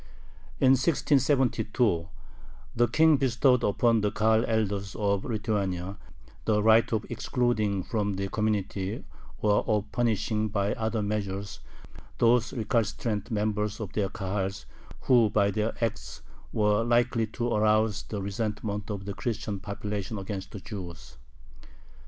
In 1672 the King bestowed upon the Kahal elders of Lithuania the right of excluding from the community or of punishing by other measures those recalcitrant members of their Kahals who by their acts were likely to arouse the resentment of the Christian population against the Jews.